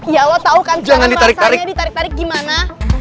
ya lo tau kan cara masanya ditarik tarik gimana